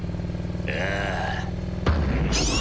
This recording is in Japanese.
ああ。